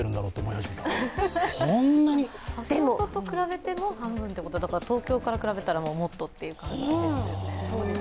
橋本と比べても半分ということだから東京から比べたらもっとという感じですよね。